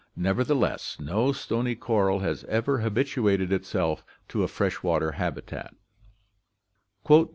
Nevertheless, no stony coral has ever habituated itself to a fresh water habitat.